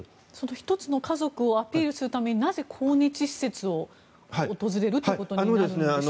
１つの家族をアピールするためなぜ抗日施設を訪れるということになるんでしょうか。